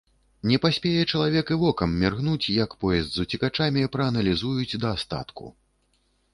Не паспее чалавек і вокам міргнуць, як поезд з уцекачамі прааналізуюць да астатку.